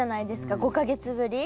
５か月ぶり。